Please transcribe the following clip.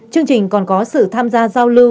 chương trình còn có sự tham gia giao lưu